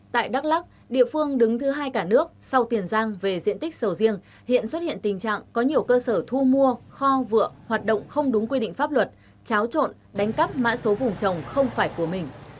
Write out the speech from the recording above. tại đắk lắc địa phương đứng thứ hai cả nước sau tiền giang về diện tích sầu riêng hiện xuất hiện tình trạng có nhiều cơ sở thu mua kho vựa hoạt động không đúng quy định pháp luật cháo trộn đánh cắp mã số vùng trồng không phải của mình